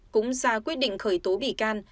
cũng ra quyết định khởi tố bị can